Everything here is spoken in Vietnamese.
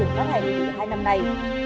từ hai năm nay